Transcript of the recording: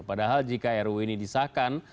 padahal jika ru ini disahkan